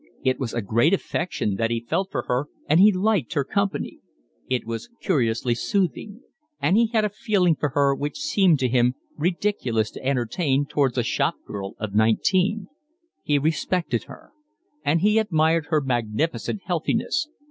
It was a great affection that he felt for her, and he liked her company; it was curiously soothing; and he had a feeling for her which seemed to him ridiculous to entertain towards a shop girl of nineteen: he respected her. And he admired her magnificent healthiness.